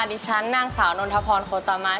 ดิฉันนางสาวนนทพรโคตามาน